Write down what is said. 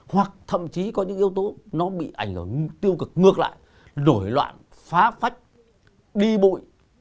hoặc thậm chí có những yếu tố nó bị ảnh hưởng tiêu cực ngược lại rủi loạn phá phách đi bội